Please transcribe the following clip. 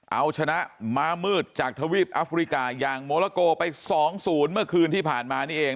เอาชนะม้ามืดจากทวีปอัฟริกาอย่างโมโลโกไป๒๐เมื่อคืนที่ผ่านมานี่เอง